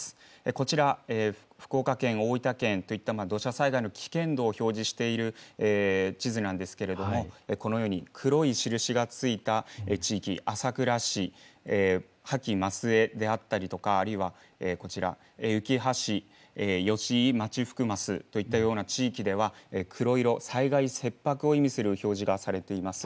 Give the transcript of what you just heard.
こちら、福岡県、大分県といった土砂災害の危険度を表示している地図なんですけれども、このように黒い印がついた地域、朝倉市、杷木松末であったり、あるいはこちら、うきは市吉井町福益といった地域では、黒色、災害切迫を意味する表示がされています。